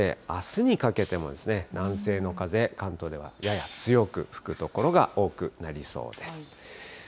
変わらないんですね。ということで、あすにかけても南西の風、関東ではやや強く吹く所が多くなりそうです。